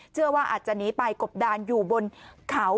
เชื่อว่าอาจจะหนีไปกบดานอยู่บนเขา